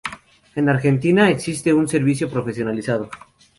En Argentina, existe un servicio profesionalizado.